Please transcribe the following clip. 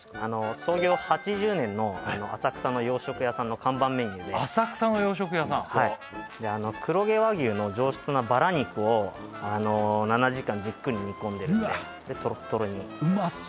創業８０年の浅草の洋食屋さんの看板メニューで浅草の洋食屋さんはい黒毛和牛の上質なバラ肉を７時間じっくり煮込んでるんでトロットロにうまそう！